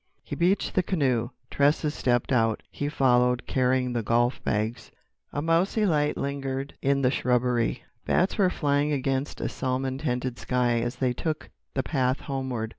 He beached the canoe; Tressa stepped out; he followed, carrying the golf bags. A mousy light lingered in the shrubbery; bats were flying against a salmon tinted sky as they took the path homeward.